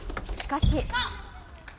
しかし。